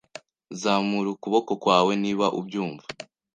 Zamura ukuboko kwawe niba ubyumva.